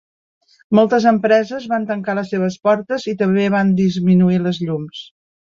Moltes empreses van tancar les seves portes i també van disminuir les llums.